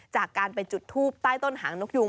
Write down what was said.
จากการไปจุดทูบใต้ต้นหางนกยุง